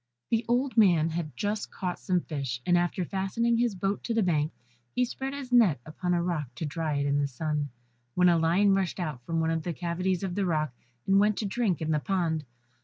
] The old man had just caught some fish, and after fastening his boat to the bank, he spread his net upon a rock to dry it in the sun, when a lion rushed out from one of the cavities of the rock, and went to drink in the pond.